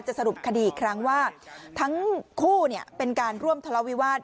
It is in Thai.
สรุปคดีอีกครั้งว่าทั้งคู่เป็นการร่วมทะเลาวิวาส